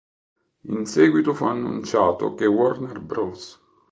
In seguito fu annunciato che Warner Bros.